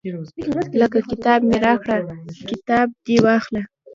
لکه کتاب مې راکړه کتاب دې واخله.